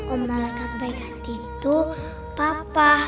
oma akan baik hati itu papa